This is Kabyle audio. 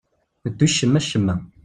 Ddu cemma-cemma.